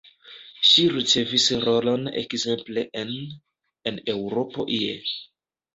Ŝi ricevis rolon ekzemple en En Eŭropo ie.